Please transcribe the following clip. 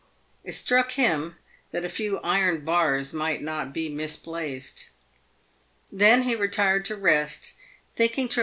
It struck him that a few iron bars might not be misplaced. Then he retired to rest, thinking to PAVED WITH GOLD.